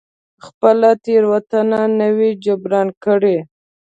خپله تېروتنه نه وي جبران کړې.